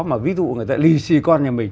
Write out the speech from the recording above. mà ví dụ người ta lì xì con nhà mình